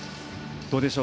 どうでしょう